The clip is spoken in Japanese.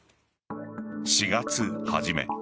４月初め。